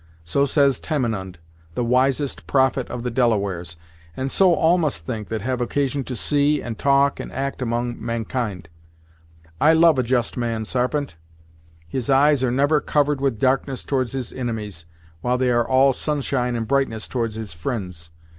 So says Tamenund, the wisest prophet of the Delawares, and so all must think that have occasion to see, and talk, and act among Mankind. I love a just man, Sarpent. His eyes are never covered with darkness towards his inimies, while they are all sunshine and brightness towards his fri'nds.